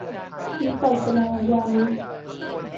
วิปัสสนายานิก